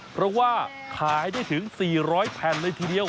เพราะว่าขายได้ถึง๔๐๐แผ่นเลยทีเดียว